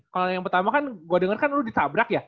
kalau yang pertama kan gue denger kan lu ditabrak ya